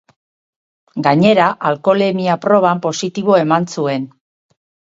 Gainera, alkoholemia proban positibo eman zuen.